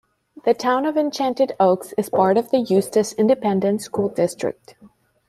The Town of Enchanted Oaks is part of the Eustace Independent School District.